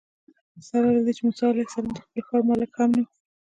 سره له دې چې موسی علیه السلام د خپل ښار ملک هم نه و.